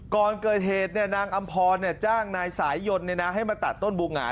ก่อนเกิดเหตุนางอำพรจ้างนายสายยนต์ให้มาตัดต้นบูหงา